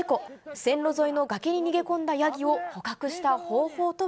線路沿いの崖に逃げ込んだヤギを捕獲した方法とは。